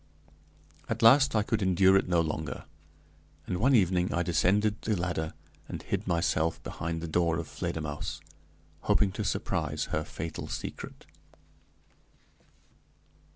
At last I could endure it no longer, and one evening I descended the ladder and hid myself behind the door of Fledermausse, hoping to surprise her fatal secret.